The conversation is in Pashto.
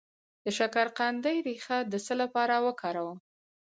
د شکرقندي ریښه د څه لپاره وکاروم؟